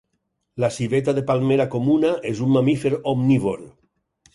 La civeta de palmera comuna és un mamífer omnívor.